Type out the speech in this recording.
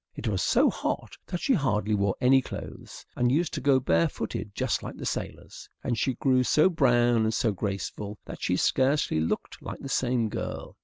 It was so hot that she hardly wore any clothes, and used to go barefooted just like the sailors; and she grew so brown and so graceful that she scarcely looked like the same girl.